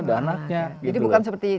anaknya jadi bukan seperti